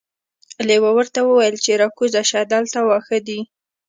لیوه ورته وویل چې راکوزه شه دلته واښه دي.